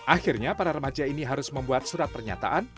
akhirnya para remaja ini harus membuat surat pernyataan